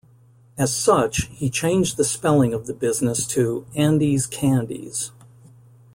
As such, he changed the spelling of the business to "Andes Candies".